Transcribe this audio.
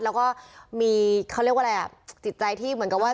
แล้วก็มีเขาเรียกว่าอะไรอ่ะจิตใจที่เหมือนกับว่า